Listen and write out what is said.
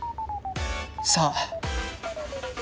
さあ。